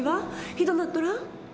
ひどなっとらん？